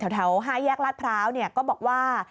แถว๕แยกลาดพร้าวก็บอกว่า